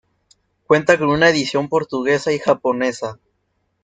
Cuenta con una edición portuguesa y japonesa.